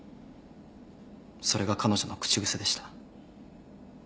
それが彼女の口癖でした。